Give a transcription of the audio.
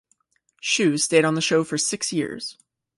Shue stayed on the show for six years.